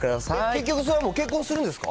結局、それは結婚するんですか？